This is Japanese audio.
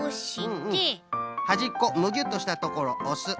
はじっこむぎゅっとしたところをおす。